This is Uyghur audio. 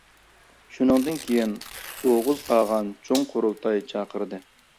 شۇندىن كېيىن، ئوغۇز قاغان چوڭ قۇرۇلتاي چاقىردى.